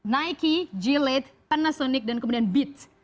nike gy late panasonic dan kemudian beats